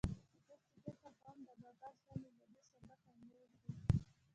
اوس چې فکر کوم، د بابا زړه مې له دې سبقه موړ و.